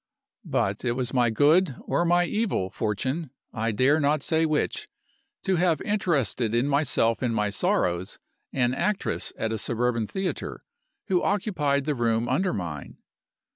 "But it was my good, or my evil, fortune I dare not say which to have interested in myself and my sorrows an actress at a suburban theatre, who occupied the room under mine.